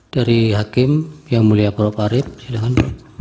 dari hakim yang mulia prof arief silakan